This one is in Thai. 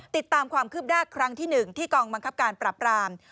ติดตามความคืบหน้าครั้งที่๑ที่กองบังคับการปรับราม